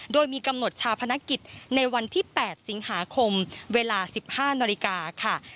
โดยมีกำหนดชาพนักกิจในวันที่๘สิงหาคมเวลา๑๕นาฬิกาค่ะ